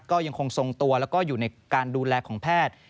ก็ยังคงทรงตัวแล้วก็อยู่ในการดูแลของแพทย์